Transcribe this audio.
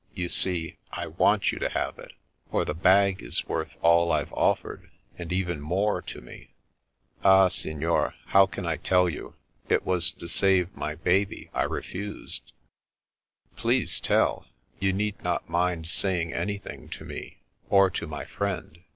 You see, I want you to have it, for the bag is worth all I've oflfered and even more to me." " Ah, Signor, how can I tell you? It was to save my baby I refused." A Man from the Dark 201 " Please tell. You need not mind saying any thing to me— or to my friend.